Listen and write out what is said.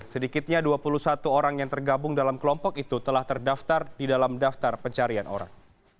sedikitnya dua puluh satu orang yang tergabung dalam kelompok itu telah terdaftar di dalam daftar pencarian orang